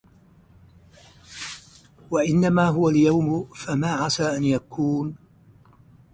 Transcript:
وَإِنَّمَا هُوَ الْيَوْمُ فَمَا عَسَى أَنْ يَكُونَ